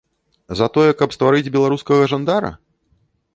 За тое, каб стварыць беларускага жандара?